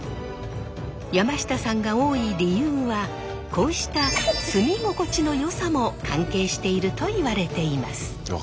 山下さんが多い理由はこうした住み心地のよさも関係しているといわれています。